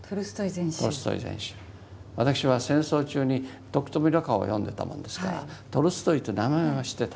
私は戦争中に徳冨蘆花を読んでたもんですからトルストイっていう名前は知ってた。